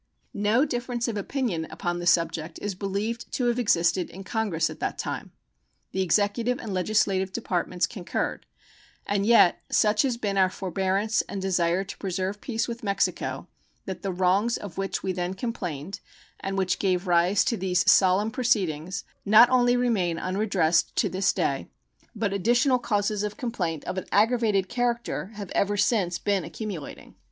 No difference of opinion upon the subject is believed to have existed in Congress at that time; the executive and legislative departments concurred; and yet such has been our forbearance and desire to preserve peace with Mexico that the wrongs of which we then complained, and which gave rise to these solemn proceedings, not only remain unredressed to this day, but additional causes of complaint of an aggravated character have ever since been accumulating.